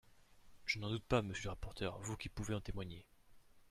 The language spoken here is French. Je n’en doute pas, monsieur le rapporteur, vous qui pouvez en témoigner.